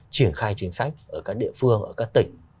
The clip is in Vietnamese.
triển khai chính sách ở các địa phương ở các tỉnh